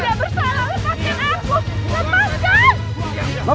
aku tidak bersalah lepaskan aku